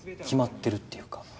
決まってるっていうか。